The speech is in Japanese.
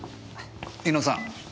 猪野さん。